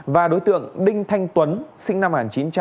và đối tượng đinh thanh tuấn sinh năm một nghìn chín trăm tám mươi